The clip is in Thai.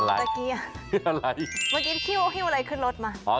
อะไรอะไรอะไรถูกเตะเกี้ยมากินฮิ่วฮิ่วอะไรขึ้นรถมา